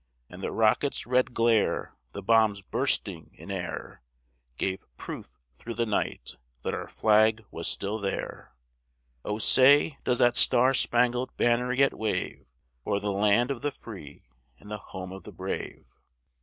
And the rocket's red glare, the bombs bursting in air, Gave proof through the night that our flag was still there: O say, does that star spangled banner yet wave O'er the land of the free and the home of the brave?